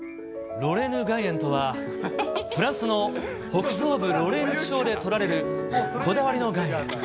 ロレーヌ岩塩とは、フランスの北東部ロレーヌ地方でとられるこだわりの岩塩。